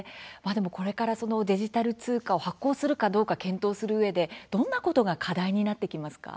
これからデジタル通貨を発行するかどうか検討するうえでどんなことが課題になってくるんでしょうか。